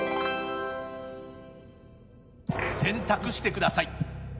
選択してください。